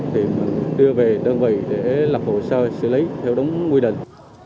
thì đưa về đơn vị để lập hồ sơ xử lý theo đúng quy định